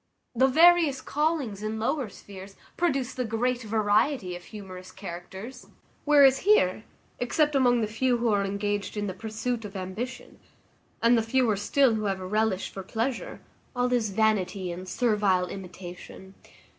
The various callings in lower spheres produce the great variety of humorous characters; whereas here, except among the few who are engaged in the pursuit of ambition, and the fewer still who have a relish for pleasure, all is vanity and servile imitation.